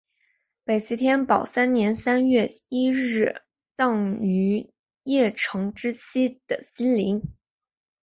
北齐天保三年三月一日葬于邺城之西的西陵。